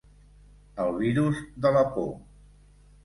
El virus de la por.